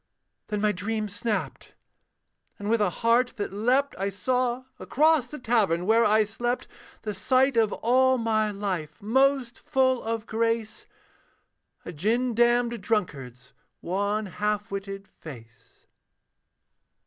Then my dream snapped: and with a heart that leapt I saw across the tavern where I slept, The sight of all my life most full of grace, A gin damned drunkard's wan half witted face.